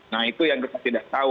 nah itu yang kita tidak tahu